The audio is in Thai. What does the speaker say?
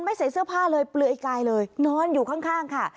ใส่เสื้อผ้าเลยเปลือยกายเลยนอนอยู่ข้างค่ะ